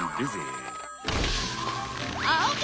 ああ！